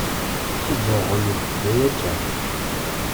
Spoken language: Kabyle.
D tibbuɣyelt daya kan.